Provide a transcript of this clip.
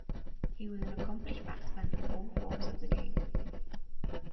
He was an accomplished batsman in all forms of the game.